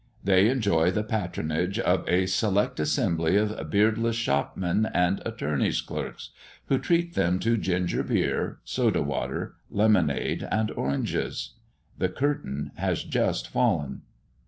They enjoy the patronage of a select assembly of beardless shopmen and attorneys' clerks, who treat them to ginger beer, soda water, lemonade, and oranges. The curtain has just fallen.